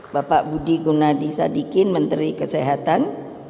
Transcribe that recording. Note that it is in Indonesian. bapak budi gunadi sadikin menteri kesehatan